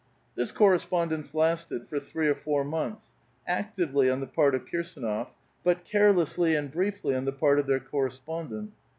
This correspondence lasted for three or four months, — ac tively on the part of Kirsdnof , but carelessly and briefly on the part of their correspondent.